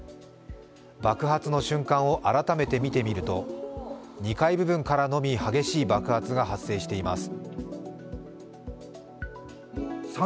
爆発の瞬間を改めて見てみると２階部分からのみ激しい爆発が発生しています。